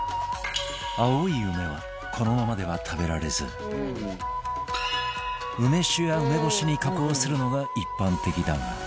青い梅はこのままでは食べられず梅酒や梅干しに加工するのが一般的だが